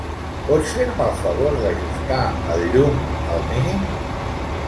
Pots fer-me el favor d'ajustar el llum al mínim?